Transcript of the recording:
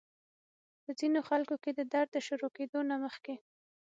پۀ ځينې خلکو کې د درد شورو کېدو نه مخکې